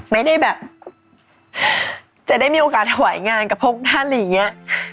ไม่ได้แบบจะได้มีโอกาสถวายงานกับพวกท่านอะไรอย่างนี้